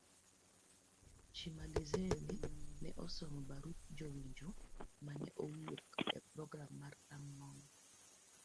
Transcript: Chimalizeni ne osomo barup jowinjo ma ne owuok e program mar rang'ong